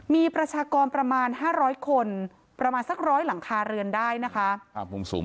มีประชากรประมาณ๕๐๐คนประมาณสัก๑๐๐หลังคาเรือนได้นะคะ